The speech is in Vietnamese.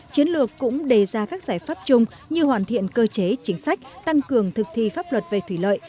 chiến lược cũng đề ra các giải pháp chung như hoàn thiện cơ chế chính sách tăng cường thực thi pháp luật về thủy lợi